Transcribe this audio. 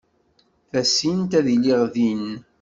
Tasint ad iliɣ din.